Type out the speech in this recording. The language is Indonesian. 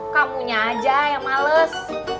kamunya aja yang males